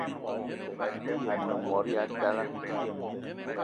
A-ne mot ya talla